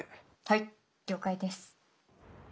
はい了解です！